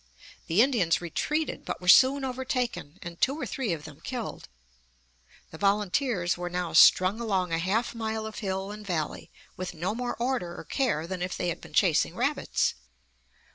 The Indians retreated, but were soon overtaken, and two or three of them killed. The volunteers were now strung along a half mile of hill and valley, with no more order or care than if they had been chasing rabbits.